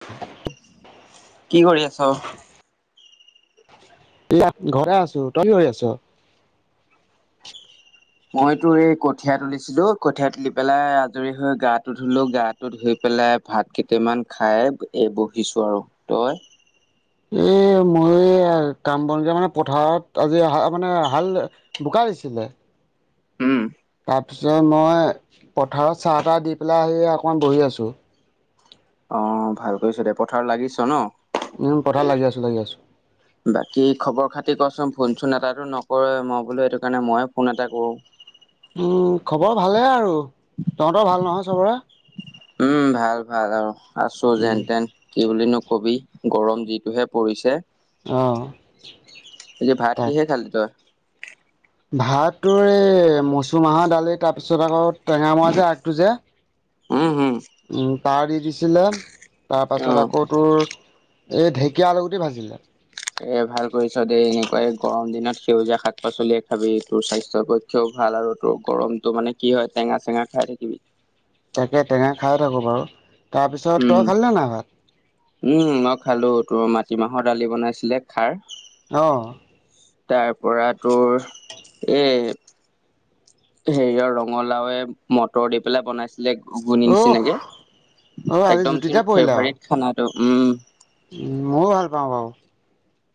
[inaudible] কি কৰি আছ? এয়া ঘৰতে আছো। তই কি কৰি আছ? মই তোৰ এই কঠিয়া তুলিছিলো কঠিয়া তুলি পেলাই আজৰি হৈ গাটো ধুলো গা টো ধুই পেলাই ভাত কেইটামান খাই এই বহিছো আৰু। তই? এ মইও এয়া কাম বন যে মানে পথাৰত আজি হ মানে হাল বোকা দিছিলে। উম। তাৰপিছত মই পথাৰত চাহ তাহ দি পেলাই আহি অকণমান বহি আছো। অঁ, ভাল কৰিছ দে, পথাৰত লাগিছ ন? উম পথাৰত লাগি আছো লাগি আছো। বাকী খবৰ খাতি ক'চোন ফোনচোন এটাটো নকৰে মই বোলো সেইটো কাৰণে মইয়ে ফোন এটা কৰো। উম খবৰ ভালে আৰু। তহঁতৰ ভাল নহয় চবৰে? উম ভাল ভাল অঁ, আছো যেন তেন। কি বুলিনো কবি গৰম যিটোহে পৰিছে। অঁ আজি ভাত তাক কিহে খালি তই? ভাত তোৰ এই মচুৰ মাহৰ দালি তাৰপিছত আকৌ টেঙা মৰা যে আগটো যে। উম হুম উম তাৰ দি দিছিলে অ তাৰপাছত আকৌ তোৰ এই ঢেকীয়া আলগুটি ভাজিলে। এ ভাল কৰিছ দেই, এনেকুৱাই গৰম দিনত সেউজীয়া শাক পাচলিয়ে খাবি তোৰ স্বাস্থ্যৰ পৈ ক্ষে ভাল আৰু তোৰ গৰমটো মানে কি হয় টেঙা চেঙা খাই থাকিবি। তাকে টেঙা খাই থাকো বাৰু। তাৰপিছত তই উম খালি নে নাই ভাত? উম মই খালো তোৰ মাটিমাহৰ দালি বনাইছিলে খাৰ। অঁ। তাৰপৰা তোৰ এই হেৰিয়ৰ ৰঙালাওয়ে মটৰ দি পেলাই বনাইছিলে। ঘুগুনী অহ নিচিনাকে, অ' আজি একদম জুতিতে তোৰ ফেভাৰট খানাটো উম। মইও ভাল পাওঁ বাৰু।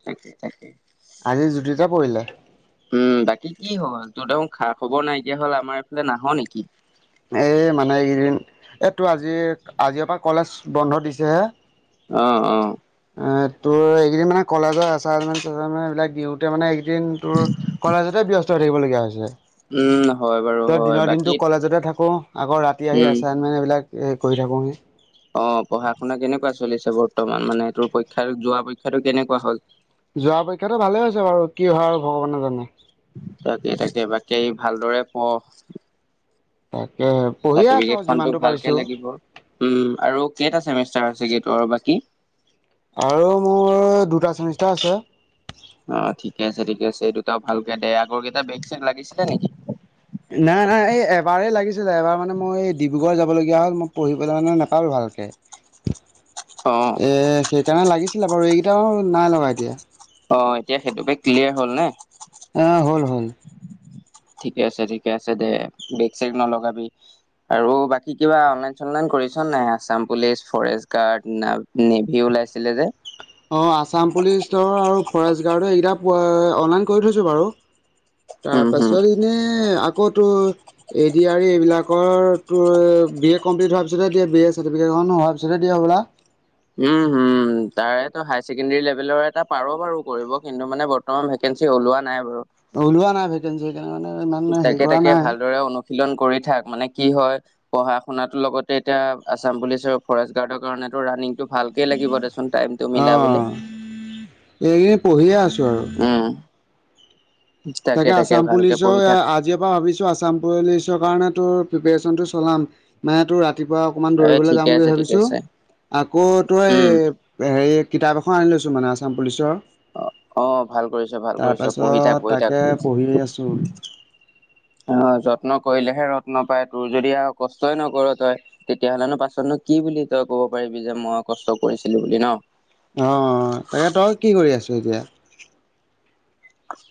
তাকে তাকে। আজি জুতিতে পৰিলে। উম বাকী কি হ'ল, তোৰ দেখোন খা খবৰ নাইকিয়া হ'ল আমাৰ এইফালে নাহ নেকি? এই মানে এইকেইদিন এই তোৰ আজি আজিৰ পৰা কলেজ বন্ধ দিছেহে। অঁ অঁ। এ তোৰ এইকদিন মানে কলেজৰ এছাইনমেণ্ট চেছাইনমেণ্ট এইবিলাক দিওঁতে মানে এইকদিন তোৰ কলেজতে ব্যস্ত হৈ থাকিব লগীয়া হৈছে। উম হয় বাৰু তই হয় দিনৰ বাকী দিনত কলেজতে থা কো আকৌ আকৌ ৰাতি আহি উম এছাইনমেণ্ট এইবিলাক কৰি থাকোঁহি। অ' পঢ়া শুনা কেনেকুৱা চলিছে বৰ্তমান মানে তোৰ পৰীক্ষা যোৱা পৰীক্ষাতটো কেনেকুৱা হল। যোৱা পৰীক্ষাতো ভালে হৈছে বাৰু কি হয় আৰু ভগৱানে জানে। তাকে তাকে বাকী ভালদৰে পঢ। তাকেহে। চাৰ্টিফিকেট খনটো ভালকে লাগিব উম আৰু কেইটা চেমিষ্টাৰ আছে আৰু বাকী। আৰু মোৰ দুটা চেমিষ্টাৰ আছে। অ' ঠিকে আছে ঠিকে আছে এই দুটা ভালকে দে আগৰ কেইটা বেগ চেগ লাগিছিলে নেকি। নাই নাই এই এবাৰেই লাগিছিল এবাৰ মানে মই এই ডিব্ৰুগড় যাবলগীয়া হ'ল মই পঢ়িবলৈ মানে নাপালো ভালকে। [inaudible] এ সেইকাৰণে লাগিছিলে বাৰু এইকেইটা নাই লগা এতিয়া। অ' এতিয়া সেইটো বেগ ক্লিয়াৰ হ'ল নে। অ' হ'ল হ'ল। ঠিকে আছে ঠিকে আছে দে বেগ চেগ নলগাবি আৰু বাকী। কি কিবা অনলাইন চলাইন কৰিছ নাই আছাম পুলিচ ফৰেষ্ট গাৰ্ড না নেভি ওলাইছিলে যে। অ' আছাম পুলিচৰ আৰু ফৰেষ্ট গাৰ্ড এইকেইটা অনলাইন কৰি থৈছো বাৰু। [inaudible] হম তাৰপাছত এনে আকৌ তোৰ। এ ড আৰ ৰি এইবিলাকৰ বি এ কমপ্লিট হোৱাৰ পিছতে দিয়া বি এ চাৰ্টিফিকেটখন হোৱাৰ পিছতে দিয়া হব'লা উম হম। তাৰে হাইৰ ছেকেণ্ডৰী লেভেলৰ এটা পাৰ বাৰু কৰিব কিন্তু মানে বৰ্তমান ভেকেঞ্চি ওলোৱা নাই বাৰু। ওলোৱা নাই ভেকেঞ্চিৰ হেইকাৰণে মানে ইমান হেৰি কৰা নাই। শীলন কৰি থাক মানে কি হয়। পঢ়া শুনাটো লগতে এতিয়া আছাম পুলিচ আৰু ফৰেষ্ট গাৰ্ডৰ কাৰণটো ৰানিং টো ভাল! একে লাগিব দেচোন টাইমটো মিলাবলে অঁ এইকেইদিন পঢ়িয়ে আছোঁ আৰু। উম। তাকে আসাম ভালকে পুলিচৰ পঢ়ি এয়া থাক আজি। ভাবিছো আছাম পুলিচৰ কাৰণে তোৰ প্ৰিপৰেচনটো চলাম মানে তোৰ ৰাতি। ৰাতিপুৱা অকমান এ দৌৰিবলৈ ঠিকে যাম বুলি আছে ঠিকে ভাবিছো আছে আকৌ তই উম এই। হেৰি কিতাপ এখন আনি লৈছোঁ মানে আসাম পুলিচৰ। অ' অ' ভাল কৰিছ ভাল কৰিছ পঢ়ি তাৰপাছত থাক পঢ়ি। থাক তাকে পঢ়িয়ে আছোঁ। অ' যত্ন কৰিলেহে ৰত্ন পায় তোৰ যদি আৰু কষ্টই নকৰ তই। তেতিয়াহলেনো পাছতনো কি বুলি তই ক'ব পাৰিবি যে মই কষ্ট কৰিছিলো বুলি ন। অ' তাকে তই কি কৰি আছো এতিয়া।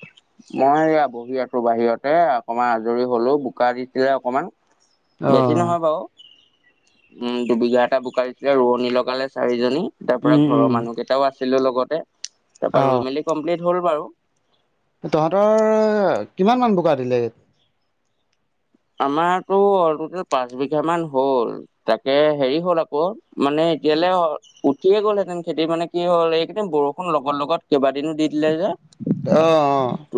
[inaudible] মই এয়া বহি আছোঁ বাহিৰতে! এ অকণমান আজৰি হলো বোকা দিছিলে অকমান? বেছি অ', নহয় বাৰু উম দুবিঘা এটা বোকাৰ দিছিলে ৰোৱনী লগালে চাৰিজনী। তাৰ পৰা উম, উম, ঘৰৰ মানুহকেইটাও আছিলো লগতে তাৰ পৰা অ'। ৰুই মেলি কমপ্লিট হ'ল বাৰু। তহঁতৰ কিমান মান বোকা দিলে। আমাৰত অলটোটেল পাঁচ বিঘা মান হ'ল। তাকে হেৰি হ'ল আকৌ মানে এতিয়ালৈ। উঠিয়ে গ'লহেঁতেন খেতি মানে কি হ'ল এইকেইদিন বৰষুণ লগত লগত কেইবাদিনো দি দিলে যে। অ অ। ত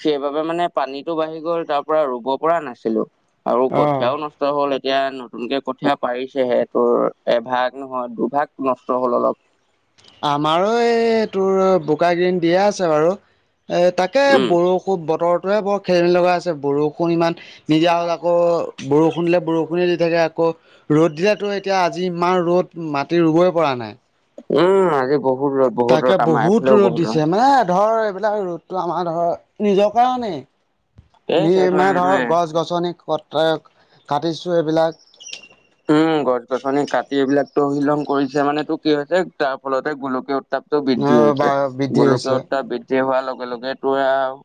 সেইবাবে মানে পানীতটো বাঢ়ি গ'ল তাৰ পৰা ৰুব পৰা নাছিলো। আৰু অ', অ'। কঠীয়াও নাচ। নষ্ট হ'ল এতিয়া নতুনকে কঠিয়া পাৰিছেহে তোৰ এভাগ নহয় দুভাগ নষ্ট হ'ল অলপ। আমাৰো এই তোৰ বোকাগেদিন দিয়ে আছে বাৰু এই তাত- কে উম বৰষু বতৰটোয়ে বৰ খেলি মেলি লগাই আছেঁ বৰষুণ ইমান- নিজা হলে আকৌ বৰষুণ দিলে বৰষুণে দি থাকে আকৌ। ৰ'দ দিলেটো এতিয়া আজি ইমান ৰ'দ মাটি ৰুবই পৰা নাই। উম' আজি বহুত ৰদ। বহুত তাকে ৰ'দ আমাৰ বহুত এইফালেও ৰ'দ দিছে মানে ধৰ এইবিলাক ৰ'দটো আমাৰ ধৰ- নিজৰ কাৰণেই এ নি সেইটোৱে ইমাৰ সেইটোৱে ধৰক গছ গছ- ছনি কট্ৰায়ক কাটিছোঁ এইবিলাক- উম' গছ গছনি কাটি এইবিলাক তহিলং কৰিছে মানে টো কি হৈছে তাৰ ফলতে গুলকীয় উত্তাপ- বৃদ্ধি বা হৈছে। বৃদ্ধি হৈছে। গোলকীয় উত্তাপ বৃদ্ধি হোৱাৰ লগে লগে তোৱাও-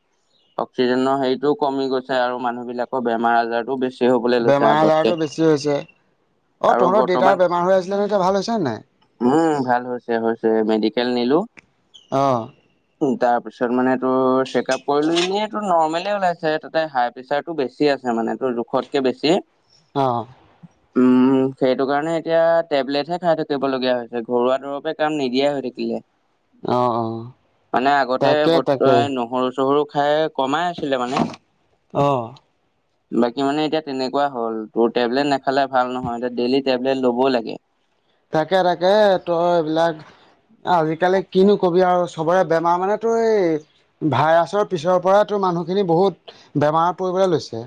অক্সিজেনৰ হেৰিতও কমি গৈছে আৰু মানুহ বিলাকৰ বেমাৰ আজাৰতো বেছি- হবলৈ লৈছে বেমাৰ আগতকে আজাৰটো বেছি হৈছে। অ' আৰু তহঁতৰ বৰ্তমান দেউতাৰ বেমাৰ হৈ আছিলে নে এতিয়া ভাল হৈছে নে নাই? উম' ভাল হৈছে হৈছে, মেডিকেল নিলো। অঁ' উম' তাৰ পিছত মানে টো চেক আপ কৰিলো এনেইটো নৰ্মলে ওলাইছে। ছে হাই প্ৰেচাৰটো বেছি আছে মানে টোৰ জোখতকে বেছি- অঁ' [inaudible] উম' সেইটো কাৰণে এতিয়া টেবলেটহে খাই থাকিবলগীয়া হৈছে ঘৰুৱা দৰৱে কাম নিদিয়া হৈ থাকিলে। অঁ অঁ' মানে আগতে বৰ্ত নহৰু চহৰু খাই কমাই আছিলে মানে। অঁ' [inaudible] বাকী মানে এতিয়া তেনেকুৱা হ'ল। ত' টেবলেট নাখালে ভাল নহয় এতিয়া ডেইলি টেবলেট ল'বই লাগে। তাকে তাকে, তই এইবিলাক আজিকালি কিনো কবি আৰু চবৰে বেমাৰ মানে- তো এই ভাইৰাছৰ পিছৰ পৰাই তোৰ মানুহখিনি বহুত বেমাৰ পৰিবলৈ লৈছে।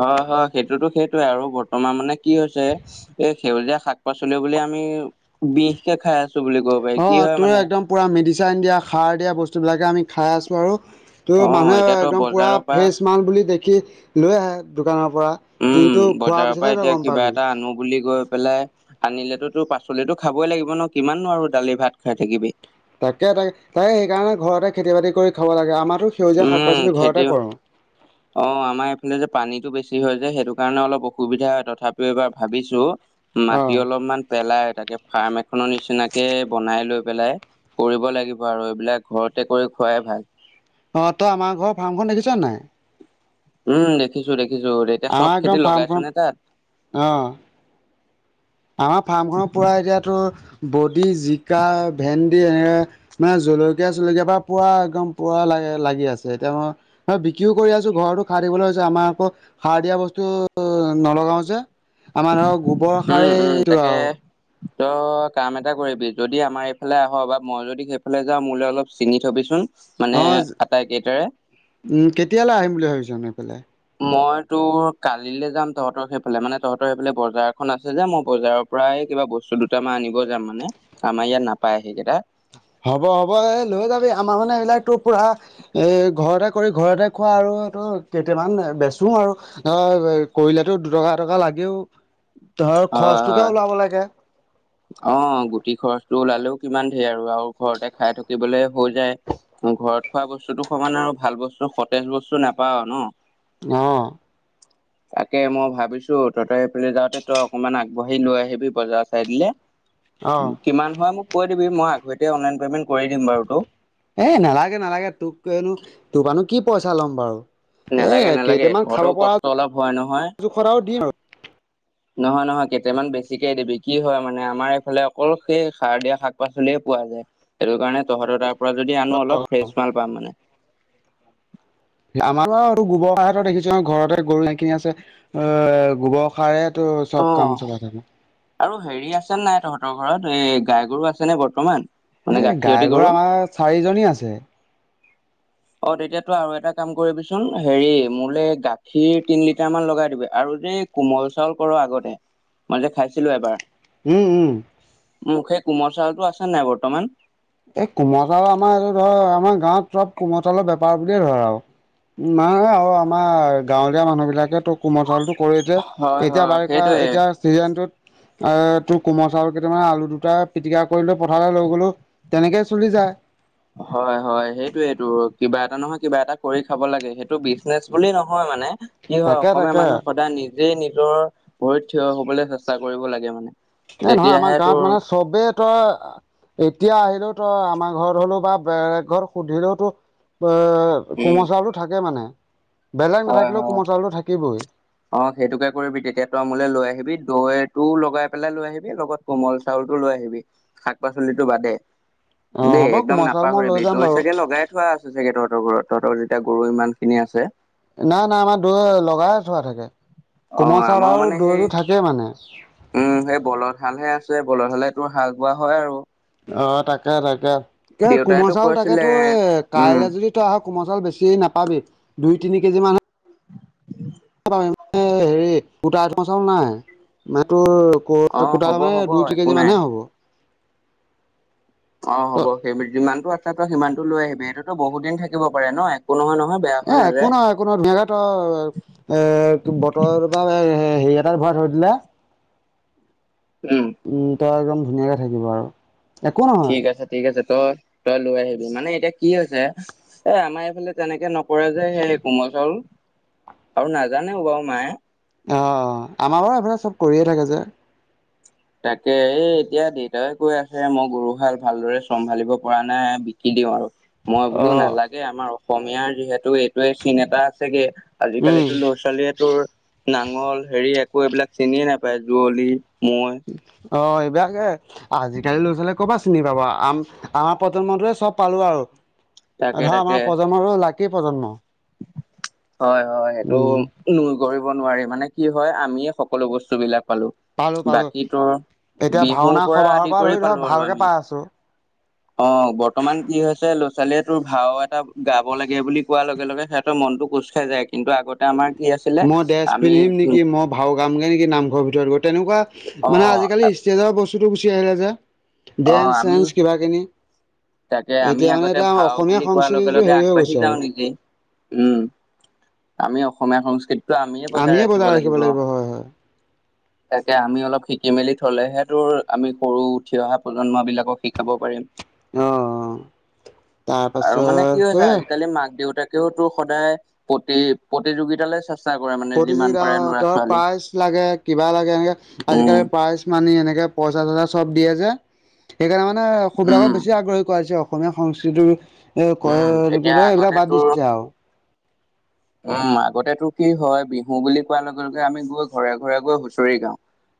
হয় হয়, সেইটোতো সেইটোৱে আৰু বৰ্তমান মানে কি হৈছে? এই সেউজীয়া শাক পাচলি বুলি আমি বিষকে খাই আছোঁ বুলি ক'ব পাৰি কি হয় মানে- পূৰা মেডিচাইন দিয়া সাৰ দিয়া বস্তু বিলাকে আমি খাই আছোঁ আৰু- অ ত' মানুহে এতিয়াতো একদম পূৰা বজাৰৰ পৰা ফ্ৰেছ মাল বুলি দেখি লৈ আহে দোকানৰ পৰা। কিন্তু উম' খোৱাৰ বজাৰৰ পিছতহে পৰা তই এতিয়া গম কিবা পাবি। এটা আনো বুলি গৈ পেলাই- আনিলেতো তোৰ পাচলিতো খাবই লাগিব ন কিমাননো আৰু দালি ভাত খাই থাকিবি। তাকে তাকে, তাকে সেইকাৰণে ঘৰতে খেতি বাতি কৰি খাব লাগে আমাৰো সেউজীয়া শাক পাচলি ঘৰতে কৰোঁ। অঁ আমাৰ এইফালে যে পানীটো বেছি হয় যে সেইটো কাৰণে অলপ অসুবিধা হয় তথাপিও এইবাৰ ভাবিছো- মাটি অ'। অলপমান পেলায় তাকে ফাৰ্ম এখনৰ নিচিনাকে বনাই লৈ পেলাই- কৰিব লাগিব আৰু এইবিলাক ঘৰতে কৰি খোৱাই ভাল। অঁ তই আমাৰ ঘৰৰ ফাৰ্মখন দেখিছ নে নাই। উম' দেখিছো দেখিছো এতিয়া চব খেতি লগাইছ নে তাত? অঁ' আমাৰ ফাৰ্মখনৰ পুৰা এতিয়াতো বডি, জিকা, ভেন- দি এনেকে মানে জলকীয়া চলকীয়া বা পুৰা একদম পুৰা লাগে লাগি আছে এতিয়া ম- অঁ' বিক্ৰীও কৰি আছোঁ ঘৰতো সাৰ দিবলৈ হৈছে আমাৰ আকৌ সাৰ দিয়া বস্তু- উম' নলগাওঁ যে আমাৰ ধৰক গোবৰ সাৰে এইটো আৰু। তয় কাম এটা কৰিবি যদি আমাৰ এইফালে আহ বা মই যদি সেইফালে যাওঁ মোলে অলপ চিঙি থবিচোন। মানে আটাই গেইটাৰে। উ, কেতিয়ালৈ আহিম বুলি ভাবিছা [unintelligible] এইফালে? মই তোৰ কালিলৈ যাম তহঁতৰ সেইফালে মানে তহঁতৰ সেইফালে বজাৰখন আছে যে, মই বজাৰৰ পৰায়ে কিবা বস্তু দুটামান আনিব যাম মানে, আমাৰ ইয়াত নাপায় সেইকেইটা। হ'ব হ'ব, এই লৈ যাবি, আমাৰ মানে এইবিলাক তোৰ পুৰা এ, ঘৰতে কৰি ঘৰতে খোৱা আৰুটো কেইটামান বেচো আৰু। এ, কৰিলেতো দুটকা এটকা লাগেও, ধৰ হয় খৰচটোকে হয় ওলাব লাগে। অ' গুটি খৰচটো ওলালেও কিমান ঢেৰ আৰু, আৰু ঘৰতে খাই থাকিবলে হৈ যায়। ঘৰত খোৱা বস্তুটো সমানে আৰু ভাল বস্তু, সতেজ বস্তু নাপাওঁ ন'। অ'। [inaudible] তাকে মই ভাবিছোঁ তহঁতৰ এইফালে যাওঁতে তই অকনমান আগবাঢ়ি লৈ আহিবি বজাৰ চাই দিলে। অ কিমান হয় মোক কৈ দিবি, মই আগৰিতে অনলাইন পেমেন্ট কৰি দিম বাৰু তোক। এ, নালাগে নালাগে, তোক কনো, তোৰ আনো কি পইচা ল'ম বাৰু। এ, নালাগে নালাগে কেইটামান তহঁতৰো খাব পৰা কষ্ট অলপ হয় নহয় [unintelligible] দিম আৰু। [inaudible] নহয় নহয় কেইটামান বেছিকে দিবি, কি হয় মানে আমাৰ এইফালে অকল সেই সাৰ দিয়া শাক পাচলিয়ে পোৱা যায়। সেইটো কাৰণে তহঁতৰ তাৰ পৰা যদি আনো অলপ ফ্ৰেচ মাল পাম মানে। আমাৰ পৰাটো গোবৰ সাৰ তই দেখিছ ঘৰতে গৰু এইখিনি আছে অ' গোবৰ সাৰে তোৰ অ চব কাম চলাই থাকে। আৰু হেৰি আছেনে নাই তহঁতৰ ঘৰত, এই গাই গৰু আছেনে বৰ্তমান? মানে এই গাখীৰতী গাই গৰু আমাৰ চাৰিজনী আছে। অ' তেতিয়াতো আৰু এটা কাম কৰিবিচোন, হেৰি মোলৈ গাখীৰ তিন লিটাৰ মান লগাই দিবি আৰু যে কোমল চাউল কৰোঁ আগতে। মই যে খাইছিলোঁ এবাৰ। উম উম মো সেই কোমল চাউলটো আছে নাই বৰ্তমান? এই কোমল চাউল আমাৰ এইটো ধৰ আমাৰ গাঁৱত চব কোমল চাউলৰ বেপাৰ বুলিয়ে ধৰ আৰু। নাই আৰু আমাৰ গাঁৱলীয়া মানুহবিলাকে তোক কোমল চাউলটো কৰোঁতে, হয় এতিয়া হয় বাৰিষা সেইটোয়ে এতিয়া চিজনটোত এ, তোৰ কোমল চাউল কেইটামানে আলু দুটা পিটিকা কৰিলোঁ পথাৰলৈ লৈ গ'লো। তেনেকে চলি যায়। [inaudible] হয় হয় সেইটোৱেইটো, কিবা এটা নহয় কিবা এটা কৰি খাব লাগে, সেইটো বিজনেচ বুলি নহয় মানে। কি হয় তাকে অসমীয়া তাকে মানুহে সদায় নিজেই নিজৰ ভৰিত থিয় হ'বলৈ চেষ্টা কৰিব লাগে মানে। এই নহয় আমাৰ তেতিয়াহে তোৰ গাঁৱত মানে চবেই তই এতিয়া আহিলেও তই আমাৰ ঘৰত হ'লেও বা বেলেগ ঘৰত সুধিলেও তোৰ এ উম কোমল চাউলটো থাকে মানে, বেলেগ হয় নাথাকিলেও হয় কোমল চাউলটো থাকিবই। অ' সেইটোকে কৰিবি, তেতিয়া তই মোলৈ লৈ আহিবি, দৈটো লগাই পেলাই লৈ আহিবি লগত কোমল চাউলটো লৈ আহিবি, শাক পাচলিটো বাদে। অ' দেই হ'ব একদম কোমল চাউল মই লৈ নাপাহৰিবি। যাম দৈ বাৰু। চাগে লগাই থোৱা আছে ছাগে তহঁতৰ ঘৰত, তহঁতৰ যেতিয়া গৰু ইমানখিনি আছে। নাই নাই আমাৰ দৈ লগাই থোৱা থাকে। অ কোমল চাউল আমাৰ আৰু মানে সেই দৈ থাকেই মানে। উম, সেই বলদ হালহে আছে, বলদ হ'লে তোৰ হাল বোৱা হয় আৰু। অ' তাকে তাকে। এই কোমল দেউতাইতো চাউল থাকে কৈছিলে তোৰ এ, উম কাইলে যদি তই আহ কোমল চাউল বেছি নাপাবি, দুই তিনি কেজি মান [unintelligible] হেৰি গুটাই থোৱা চাউল নাই মানে তোৰ অ [unintelligible] কোটা হ'ব মানে হ'ব দুই তি একো কেজি নাই মানহে হ'ব। অ ত হ'ব সেই যিমানটো আছে সিমানতো লৈ আহিবি এইটোতো বহুত দিন থাকিব পাৰে ন' একো নহয় নহয়। বেয়া এ হৈ একো নাযায় নহয়। একো নহয় ধুনীয়াকে থয় বটল বা হেৰি এটাত ভৰাই থৈ দিলে। উমঁ। উমঁ তই একদম ধুনীয়াকে থাকিব আৰু। একো নহয় ঠিক আছে ঠিক আছে তই, তই লৈ আহিবি মানে এতিয়া কি হৈছে? এ আমাৰ এইফালে তেনেকে নকৰে যে সেই কোমল চাউল। আৰু নাজানে বাৰু মায়ে। অঁ আমাৰ বাৰু ইফালে চব কৰিয়ে থাকে যে। তাকে এই এতিয়া দেউতাইও কৈ আছে মই গৰু হাল ভালদৰে চম্ভালিব পৰা নাই বিকি দিওঁ আৰু মই অ বোলো নালাগে আমাৰ অসমীয়াৰ যিহেতু এইটোৱে চিন এটা আছেগে। আজিকালিতো উম ল'ৰা ছোৱালীয়ে তোৰ নাঙল হেৰি একো এইবিলাক চিনিয়ে নাপায় যুৱলি, মৈ। অঁ এইবাকে আজিকালি ল'ৰা ছোৱালীয়ে ক'ৰবা চিনি পাব আম আমাৰ প্ৰজন্মটোৱে চব পালো আৰু। তাকে আধা আমাৰ প্ৰজন্মতো আৰু লাকি প্ৰজন্ম। হয়ঁ হয়ঁ সেইটো উম নো কৰিব নোৱাৰি মানে কি হয় আমি সকলো বস্তুবিলাক পালো। বাকী তোৰ, এতিয়া বিহুৰ ভাওনা পৰা সবাহৰ আদি কৰি ধৰি ধৰ পালো আৰু ভালকে আমি। পাই আছো অঁ' বৰ্তমান কি হৈছে লোচ ল'ৰা ছোৱালীয়ে তোৰ ভাও এটা গাব লাগে বুলি কোৱাৰ লগে লগে সিহঁতৰ মনটো কোজ খাই যায় কিন্তু আগতে আমাৰ। কি আছিলে মই ড্ৰেছ আমি পিন্ধিম নেকি মই ভাও গামগে নেকি নামঘৰ ভিতৰত গৈ তেনেকুৱা অ মানে আজিকালি ষ্টেজৰ বস্তুটো গুচি আহিলে যে। অ ডেন্স আমি চেন্স কিবা কিবি। তাকে আমি আগতে ভাও অসমীয়া বুলি কোৱাৰ লগে সংস্কৃতিটো লগে হেৰি হৈ আগবাঢ়ি গৈছে যাওঁ আৰু নিজে। উমঁ, আমি অসমীয়া সংস্কৃতিটো আমিয়ে বজাই ৰাখিব লাগিব। তাকে আমি অলপ শিকি মেলি থ'লেহে তোৰ আমি সৰু উঠি অহা প্ৰজন্ম বিলাকক শিকাব পাৰিম। অ আৰু তাৰপাছত মানে কি হৈছে সেয়ে আজিকালি মাক দেউতাক তেওঁতো সদায় প্ৰতি প্ৰতিযোগিতালৈ চে প্ৰতিযোগিতাত অ' তাৰ প্ৰাইজ লাগে কিবা লাগে এনেকে উম আজিকালি প্ৰাইজ মানি এনেকে পইচা চইচা চব দিয়ে যে, সেইকাৰণে মানে সেইবিলাকক উম, বেছি আগ্ৰহী কৰাইছে। অসমীয়া সংস্কৃতিৰ এ উম, এতিয়া কয় আগতে এইবিলাক বাদ দিছে আও। উমঁ আগতেতো কি হয় বিহু বুলি কোৱাৰ লগে লগে আমি গৈ ঘৰে ঘৰে গৈ হুঁচৰি গাওঁ।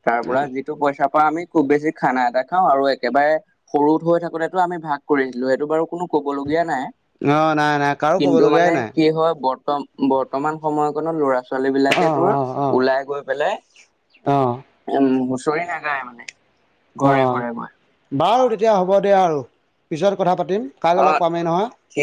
তাৰ পৰা যিটো পইচাৰ পাও আমি খুব বেছি খানা এটা খাওঁ আৰু একেবাৰে- সৰুত হৈ থাকোতেটো আমি ভাগ কৰিছিলো সেইটো বাৰু কোনো ক'বলগীয়া নাই অ নাই নাই কাৰো কিন্তু কবলগীয়াই মানে নাই কি হয় বৰ্ত বৰ্তমান সময়কণত ল'ৰা ছোৱালী অ বিলাকে তোৰ অ অ ওলাই গৈ পেলাই অ উমঁ হুচৰি নাগায় মানে অ ঘৰে ঘৰে গৈ। বাৰু তেতিয়া হ'ব দে আৰু পিছত কথা পাতিম কাইলৈ অ', লগ পামেই নহয়। সি